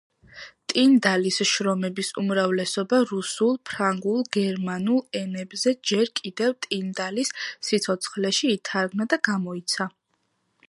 ტინდალის შრომების უმრავლესობა რუსულ, ფრანგულ, გერმანულ ენებზე ჯერ კიდევ ტინდალის სიცოცხლეში ითარგმნა და გამოიცა.